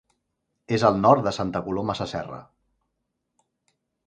És al nord de Santa Coloma Sasserra.